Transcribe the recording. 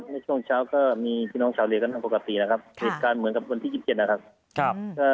ในช่วงเช้าก็มีพี่น้องชาวโระเยก็นั่งปกตินะครับเดี๋ยวการเหมือนวันที่๑๗นะครับ